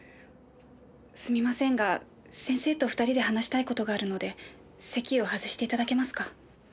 すみませんが先生と２人で話したい事があるので席を外して頂けますか？